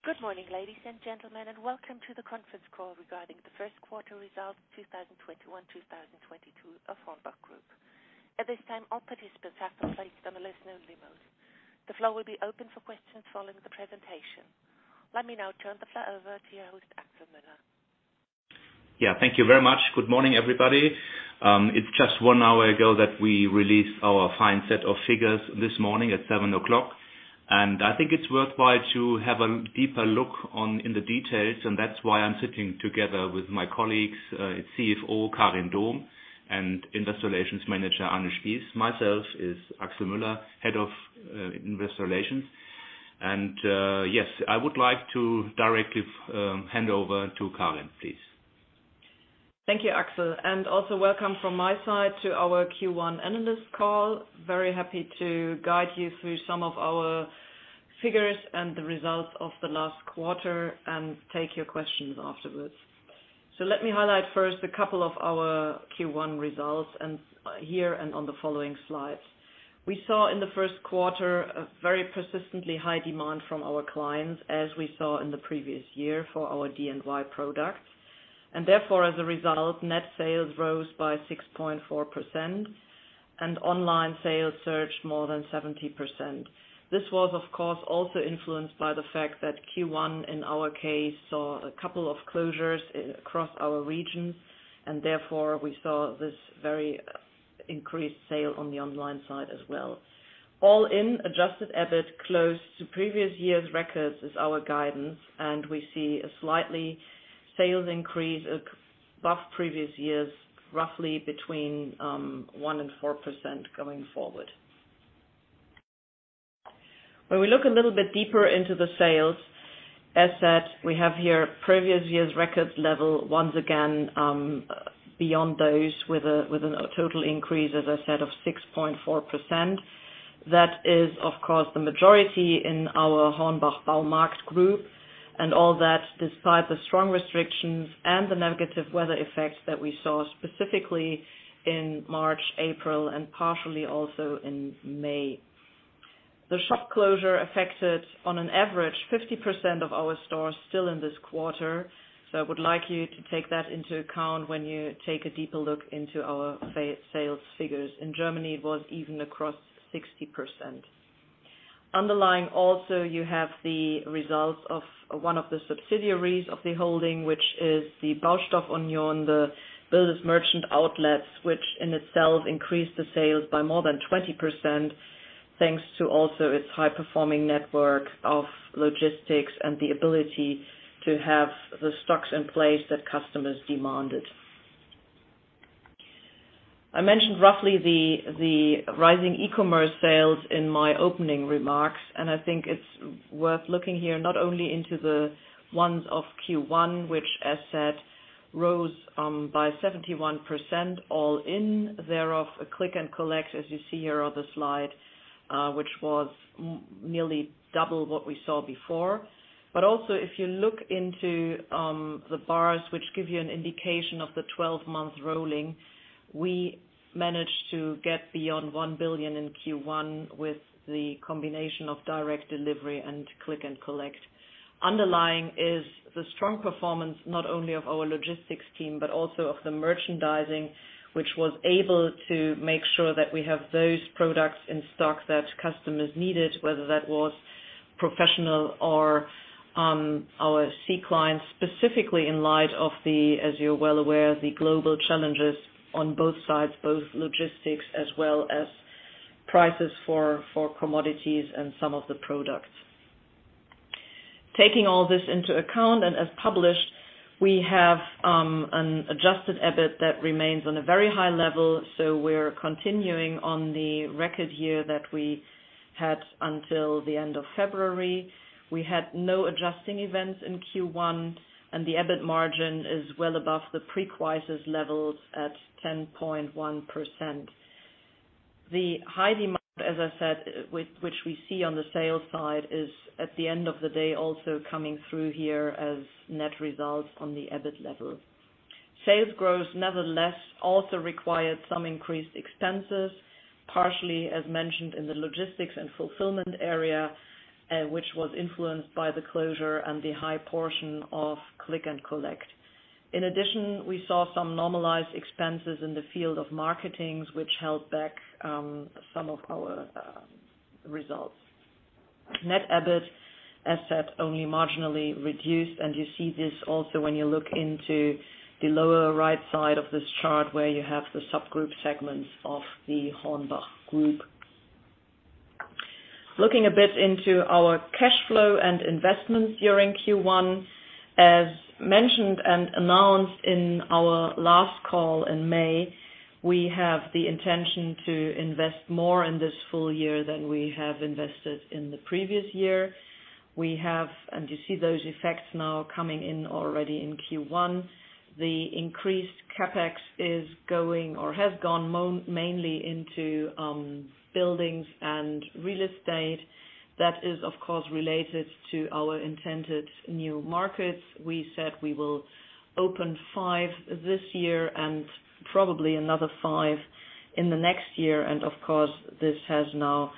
Good morning, ladies and gentlemen, and welcome to the conference call regarding the Q1 results 2021/2022 of HORNBACH Group. At this time, all participants have been placed on listen-only mode. The floor will be open for questions following the presentation. Let me now turn the floor over to your host, Axel Müller. Yeah. Thank you very much. Good morning, everybody. It's just 1 hour ago that we released our fine set of figures this morning at 7:00A.M. I think it's worthwhile to have a deeper look in the details, and that's why I'm sitting together with my colleagues, CFO Karin Dohm and Investor Relations Manager, Anne Spies. Myself is Axel Müller, Head of Investor Relations. Yes, I would like to directly hand over to Karin, please. Thank you, Axel. Also welcome from my side to our Q1 analyst call. Very happy to guide you through some of our figures and the results of the last quarter and take your questions afterwards. Let me highlight first a couple of our Q1 results here and on the following slides. We saw in the Q1 a very persistently high demand from our clients, as we saw in the previous year for our DIY products. Therefore, as a result, net sales rose by 6.4%, and online sales surged more than 70%. This was, of course, also influenced by the fact that Q1, in our case, saw a couple of closures across our region, and therefore, we saw this very increased sale on the online side as well. All in, adjusted EBIT close to previous year's records is our guidance, we see a slightly sales increase above previous years, roughly between 1% and 4% going forward. When we look a little bit deeper into the sales, as said, we have here previous year's record level once again, beyond those with a total increase, as I said, of 6.4%. That is, of course, the majority in our HORNBACH Baumarkt Group, and all that despite the strong restrictions and the negative weather effects that we saw specifically in March, April, and partially also in May. The shop closure affected on an average 50% of our stores still in this quarter, so I would like you to take that into account when you take a deeper look into our sales figures. In Germany, it was even across 60%. Underlying also, you have the results of one of the subsidiaries of the holding, which is the Baustoff Union, the business merchant outlets, which in itself increased the sales by more than 20%, thanks to also its high-performing network of logistics and the ability to have the stocks in place that customers demanded. I mentioned roughly the rising e-commerce sales in my opening remarks, and I think it's worth looking here not only into the ones of Q1, which as said, rose by 71% all in thereof. Click & Collect, as you see here on the slide, which was nearly double what we saw before. Also, if you look into the bars, which give you an indication of the 12-month rolling, we managed to get beyond 1 billion in Q1 with the combination of direct delivery and Click & Collect. Underlying is the strong performance not only of our logistics team, but also of the merchandising, which was able to make sure that we have those products in stock that customers needed, whether that was professional or our C clients, specifically in light of the, as you're well aware, the global challenges on both sides, both logistics as well as prices for commodities and some of the products. Taking all this into account and as published, we have an adjusted EBIT that remains on a very high level, so we're continuing on the record year that we had until the end of February. We had no adjusting events in Q1. The EBIT margin is well above the pre-crisis levels at 10.1%. The high demand, as I said, which we see on the sales side, is at the end of the day also coming through here as net results on the EBIT level. Sales growth, nevertheless, also required some increased expenses, partially as mentioned in the logistics and fulfillment area, which was influenced by the closure and the high portion of Click & Collect. In addition, we saw some normalized expenses in the field of marketing, which held back some of our results. Net EBIT, as said, only marginally reduced. You see this also when you look into the lower right side of this chart where you have the subgroup segments of the HORNBACH Group. Looking a bit into our cash flow and investments during Q1. As mentioned and announced in our last call in May, we have the intention to invest more in this full year than we have invested in the previous year. You see those effects now coming in already in Q1. The increased CapEx is going or has gone mainly into buildings and real estate. That is, of course, related to our intended new markets. We said we will open five this year and probably another five in the next year. Of course, this has now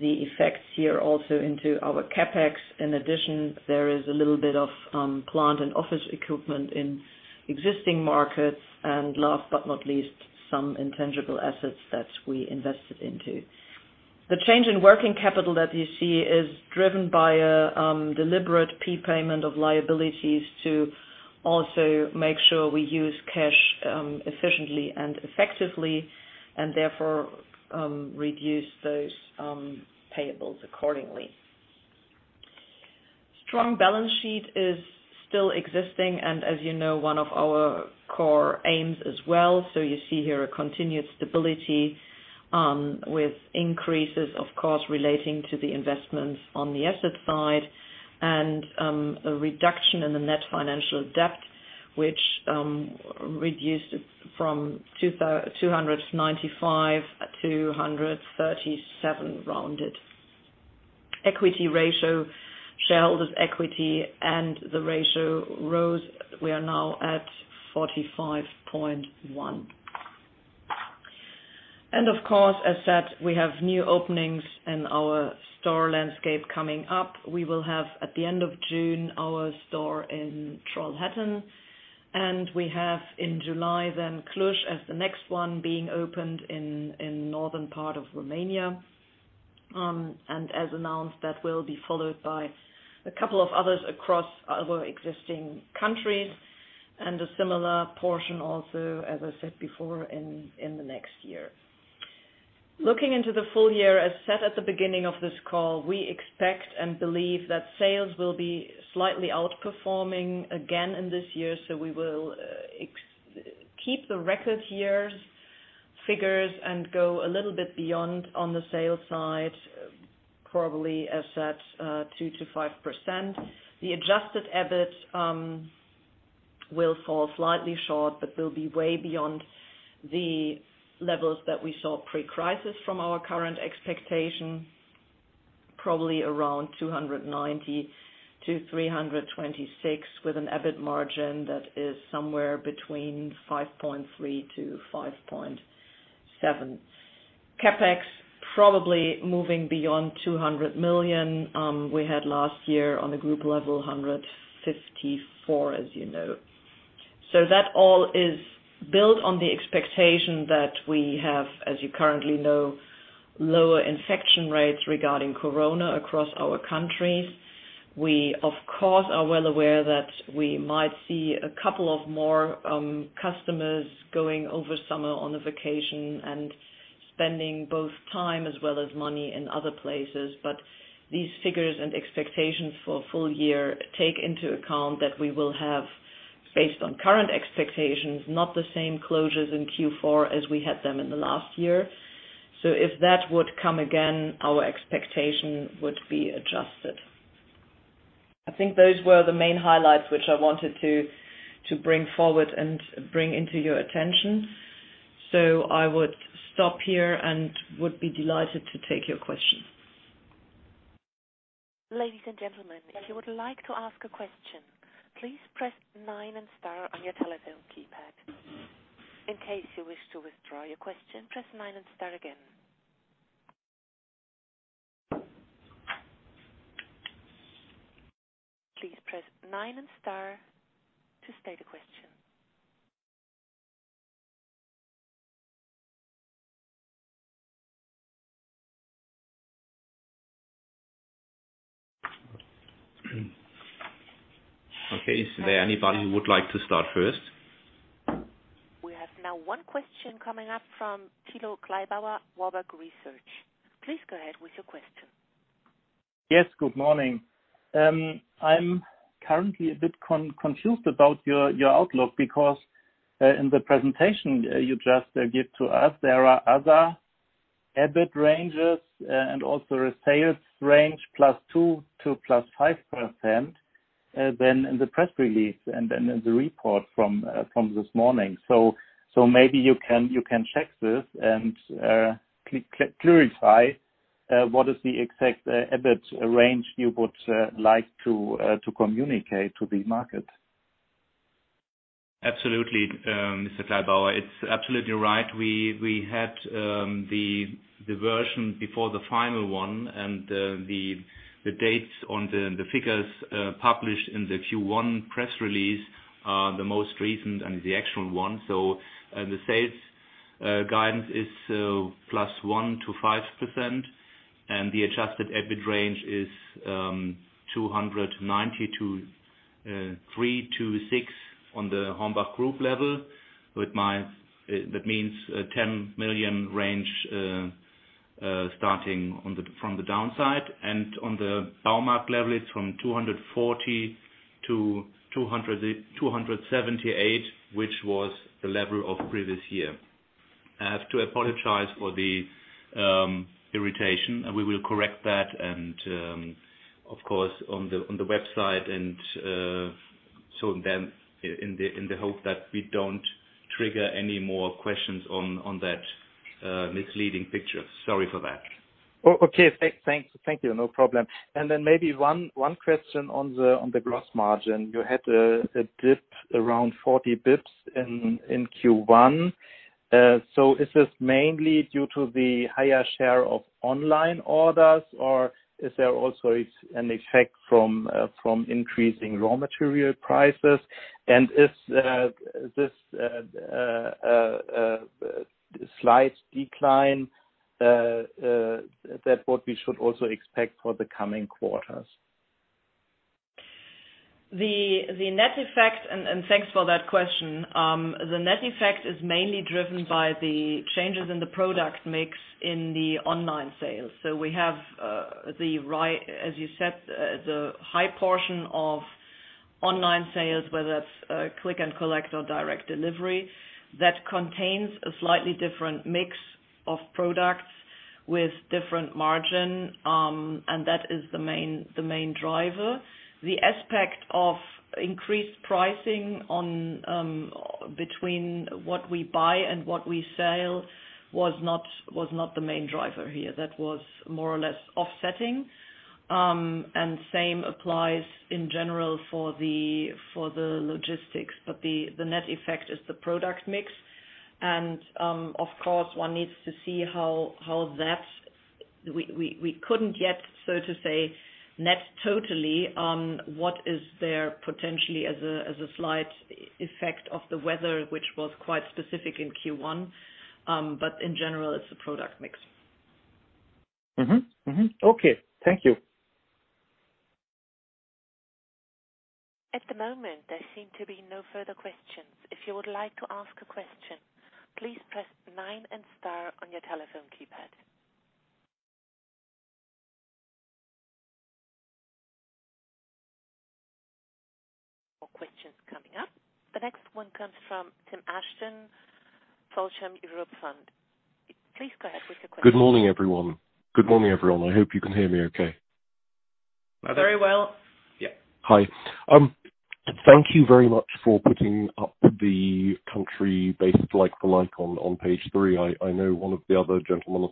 the effects here also into our CapEx. In addition, there is a little bit of plant and office equipment in existing markets, and last but not least, some intangible assets that we invested into. The change in working capital that you see is driven by a deliberate prepayment of liabilities to also make sure we use cash efficiently and effectively, and therefore, reduce those payables accordingly. Strong balance sheet is still existing, and as you know, one of our core aims as well. You see here a continued stability with increases, of course, relating to the investments on the asset side and a reduction in the net financial debt, which reduced from 295-237 rounded. Equity ratio, shareholders' equity and the ratio rose. We are now at 45.1%. Of course, as said, we have new openings in our store landscape coming up. We will have, at the end of June, our store in Trollhättan, and we have in July then Cluj as the next one being opened in northern part of Romania. As announced, that will be followed by a couple of others across our existing countries and a similar portion also, as I said before, in the next year. Looking into the full year, as said at the beginning of this call, we expect and believe that sales will be slightly outperforming again in this year. We will keep the record years figures and go a little bit beyond on the sales side, probably as said, 2%-5%. The adjusted EBIT will fall slightly short, will be way beyond the levels that we saw pre-crisis from our current expectation, probably around 290 million-326 million, with an EBIT margin that is somewhere between 5.3%-5.7%. CapEx probably moving beyond 200 million. We had last year on the group level, 154 million, as you know. That all is built on the expectation that we have, as you currently know, lower infection rates regarding COVID across our countries. We, of course, are well aware that we might see a couple of more customers going over summer on a vacation and spending both time as well as money in other places. These figures and expectations for full year take into account that we will have, based on current expectations, not the same closures in Q4 as we had them in the last year. If that would come again, our expectation would be adjusted. I think those were the main highlights which I wanted to bring forward and bring into your attention. I would stop here and would be delighted to take your question. Ladies and gentlemen, if you would like to ask a question, please press nine and star on your telephone keypad. In case you wish to withdraw your question, press nine and star again. Please press nine and star to state a question. Okay. Is there anybody who would like to start first? We have now one question coming up from Thilo Kleibauer, Warburg Research. Please go ahead with your question. Yes, good morning. I'm currently a bit confused about your outlook because in the presentation you just give to us, there are other EBIT ranges and also a sales range, +2% to +5% than in the press release and in the report from this morning. Maybe you can check this and clarify what is the exact EBIT range you would like to communicate to the market. Absolutely. Mr. Kleibauer, it is absolutely right. The dates on the figures published in the Q1 press release are the most recent and the actual one. The sales guidance is +1%-5%, and the adjusted EBIT range is 290-326 on the HORNBACH Group level. That means a 10 million range starting from the downside. On the Baumarkt level, it is from 240-278, which was the level of previous year. I have to apologize for the irritation, and we will correct that and, of course, on the website, in the hope that we don't trigger any more questions on that misleading picture. Sorry for that. Okay, thank you. No problem. Maybe one question on the gross margin. You had a dip around 40 basis points in Q1. Is this mainly due to the higher share of online orders, or is there also an effect from increasing raw material prices? Is this slight decline that what we should also expect for the coming quarters? The net effect, thanks for that question. The net effect is mainly driven by the changes in the product mix in the online sales. We have, as you said, the high portion of online sales, whether that's Click & Collect or direct delivery, that contains a slightly different mix of products with different margin, that is the main driver. The aspect of increased pricing between what we buy and what we sell was not the main driver here. That was more or less offsetting. Same applies in general for the logistics. The net effect is the product mix. Of course, one needs to see how that, we couldn't yet, so to say, net totally what is there potentially as a slight effect of the weather, which was quite specific in Q1. In general, it's the product mix. Mm-hmm. Okay. Thank you. At the moment, there seem to be no further questions. If you would like to ask a question, please press nine and star on your telephone keypad. More questions coming up. The next one comes from Tim Ashton, Frilsham SICAV Europe Equity Fund. Please go ahead with your question. Good morning, everyone. I hope you can hear me okay. Very well. Yeah. Hi. Thank you very much for putting up the country-based like-for-like on page three. I know one of the other gentlemen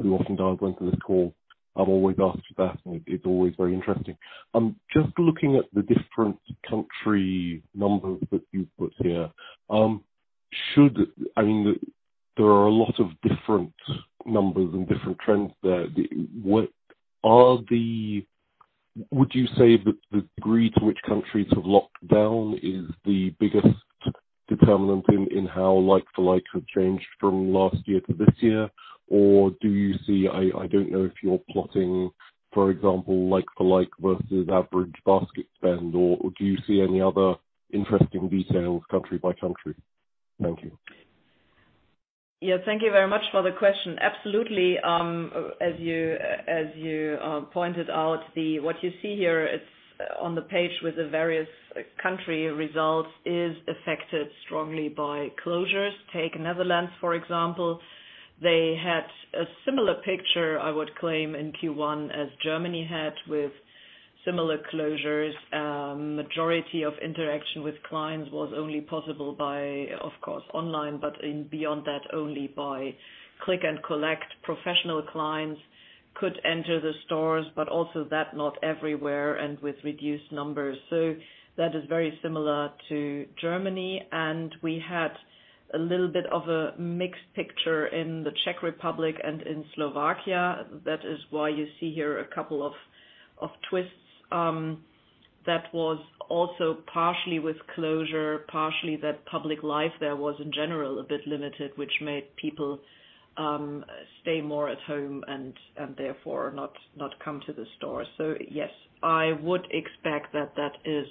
who often dials into this call, I've always asked for that, and it's always very interesting. Just looking at the different country numbers that you've put here. There are a lot of different numbers and different trends there. Would you say that the degree to which countries have locked down is the biggest determinant in how like-for-likes have changed from last year to this year? Or do you see, I don't know if you're plotting, for example, like-for-like versus average basket spend, or do you see any other interesting details country by country? Thank you. Thank you very much for the question. Absolutely. As you pointed out, what you see here on the page with the various country results is affected strongly by closures. Take Netherlands, for example. They had a similar picture, I would claim, in Q1 as Germany had with similar closures. Majority of interaction with clients was only possible by, of course, online, beyond that, only by Click & Collect. Professional clients could enter the stores, but also that not everywhere and with reduced numbers. That is very similar to Germany. We had a little bit of a mixed picture in the Czech Republic and in Slovakia. That is why you see here a couple of twists. That was also partially with closure, partially that public life there was in general a bit limited, which made people stay more at home and therefore not come to the store. Yes, I would expect that that is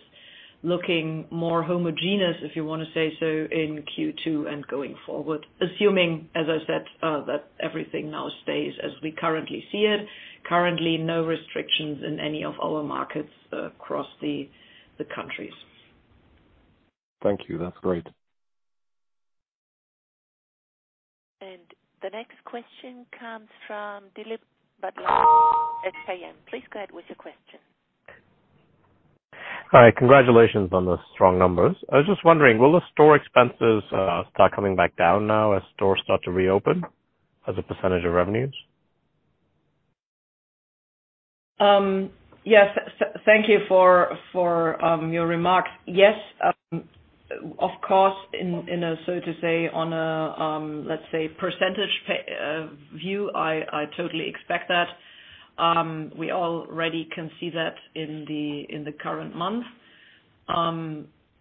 looking more homogeneous, if you want to say so, in Q2 and going forward, assuming, as I said, that everything now stays as we currently see it. Currently, no restrictions in any of our markets across the countries. Thank you. That's great. The next question comes from Dilip Batla at CN. Please go ahead with your question. Hi. Congratulations on the strong numbers. I was just wondering, will the store expenses start coming back down now as stores start to reopen as a percentage of revenues? Yes. Thank you for your remark. Yes, of course, so to say, on a, let's say, percentage view, I totally expect that. We already can see that in the current month.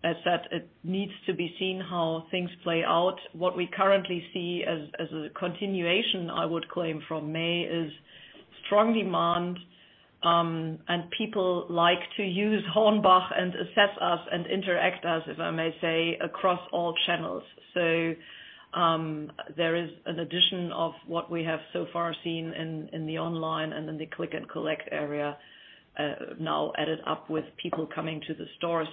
As said, it needs to be seen how things play out. What we currently see as a continuation, I would claim, from May, is strong demand, and people like to use HORNBACH and assess us and interact us, if I may say, across all channels. There is an addition of what we have so far seen in the online and in the Click & Collect area now added up with people coming to the stores.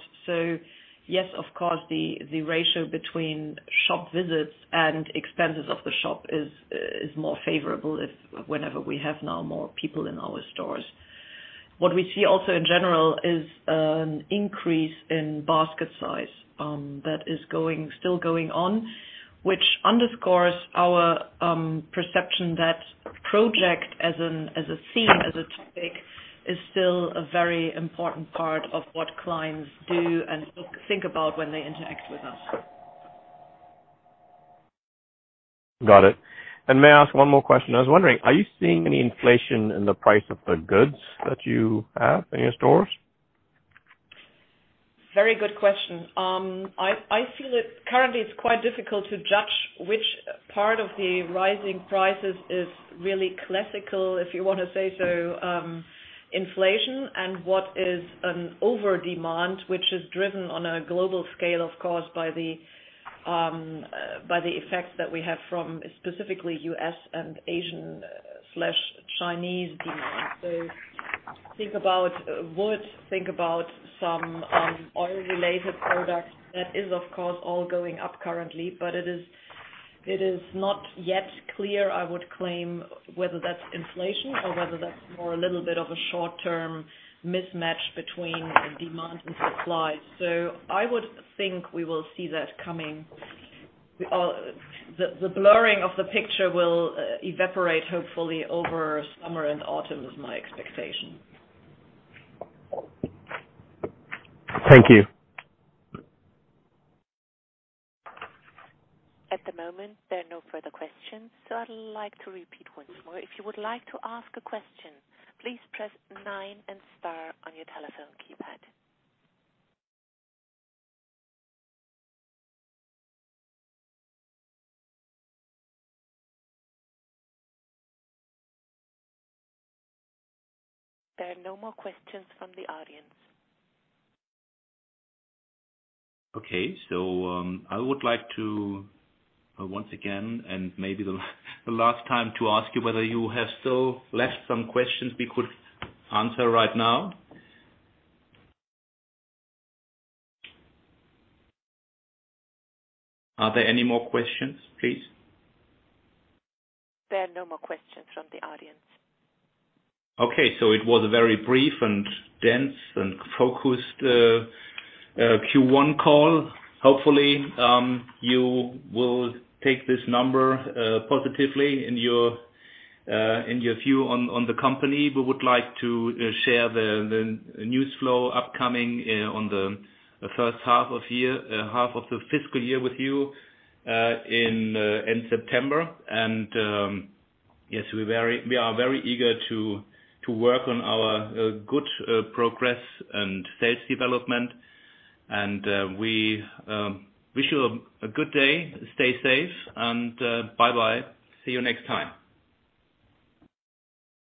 Yes, of course, the ratio between shop visits and expenses of the shop is more favorable whenever we have now more people in our stores. What we see also in general is an increase in basket size that is still going on, which underscores our perception that project as a theme, as a topic, is still a very important part of what clients do and think about when they interact with us. Got it. May I ask one more question? I was wondering, are you seeing any inflation in the price of the goods that you have in your stores? Very good question. I feel that currently it's quite difficult to judge which part of the rising prices is really classical, if you want to say so, inflation, and what is an over-demand, which is driven on a global scale, of course, by the effects that we have from specifically U.S. and Asian/Chinese demand. Think about wood, think about some oil-related products. That is, of course, all going up currently, but it is not yet clear, I would claim, whether that's inflation or whether that's more a little bit of a short-term mismatch between demand and supply. I would think we will see that coming. The blurring of the picture will evaporate, hopefully, over summer and autumn, is my expectation. Thank you. At the moment, there are no further questions. I'd like to repeat once more. If you would like to ask a question, please press nine and star on your telephone keypad. There are no more questions from the audience. Okay. I would like to, once again, and maybe the last time, to ask you whether you have still left some questions we could answer right now. Are there any more questions, please? There are no more questions from the audience. It was a very brief and dense and focused Q1 call. Hopefully, you will take this number positively in your view on the company. We would like to share the news flow upcoming on the H1 of the fiscal year with you in September. Yes, we are very eager to work on our good progress and sales development, and we wish you a good day. Stay safe, and bye-bye. See you next time.